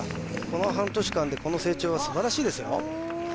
この半年間でこの成長は素晴らしいですよ